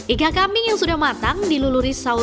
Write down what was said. iga kambing yang sudah matang diluluri saus soga yaki